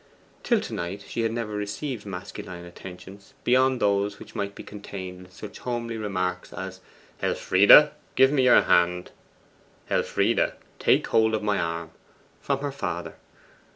Till to night she had never received masculine attentions beyond those which might be contained in such homely remarks as 'Elfride, give me your hand;' 'Elfride, take hold of my arm,' from her father.